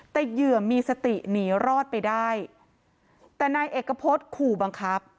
แต่เหยื่อมีสติหนีรอดไปได้แต่นายเอกพฤษขู่บังคับ